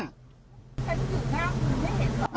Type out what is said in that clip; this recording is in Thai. ฉันจะอยู่หน้าคุณไม่เห็นหรอ